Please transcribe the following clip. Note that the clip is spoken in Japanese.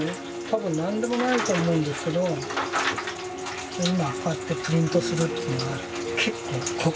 多分何でもないと思うんですけど今こうやってプリントするというのは結構酷。